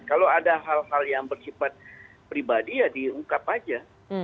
kalau ada hal hal yang bersifat pribadi ya diungkap aja